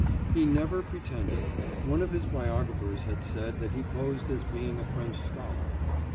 He never pretended. One of his biographers had said that he posed as being a French scholar.